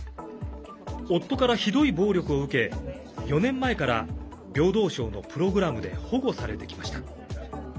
夫から、ひどい暴力を受け４年前から平等省のプログラムで保護されてきました。